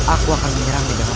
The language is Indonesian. aku akan menyerang dengan kuat